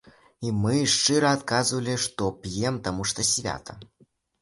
І мы шчыра адказвалі, што п'ем, таму што свята.